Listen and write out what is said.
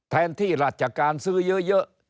แทนที่ราชการซื้อเยอะ